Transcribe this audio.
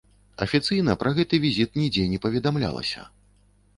Афіцыйна пра гэты візіт нідзе не паведамлялася.